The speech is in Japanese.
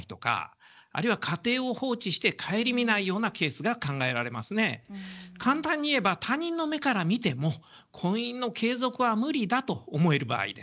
この判断にあたっては簡単に言えば他人の目から見ても婚姻の継続は無理だと思える場合です。